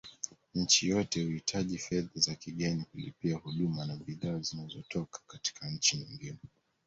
Nchi yoyote huhitaji fedha za kigeni kulipia huduma na bidhaa zinazotoka katika nchi nyingine